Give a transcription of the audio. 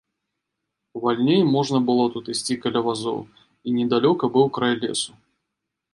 Вальней можна было тут ісці каля вазоў, і недалёка быў край лесу.